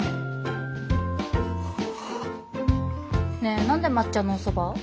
ねえ何で抹茶のお蕎麦？